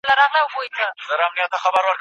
له آمو تر اباسینه دا څپه له کومه راوړو